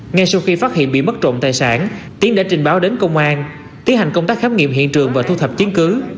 ngay sau khi phát hiện bị mất trộm tài sản tiến đã trình báo đến công an tiến hành công tác khám nghiệm hiện trường và thu thập chứng cứ